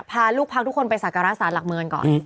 พาลูกพักทุกคนไปสรรค์กราศาสตร์หลักเมืองก่อน